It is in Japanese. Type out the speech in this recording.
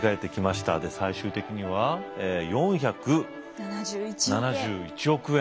最終的には４７１億円。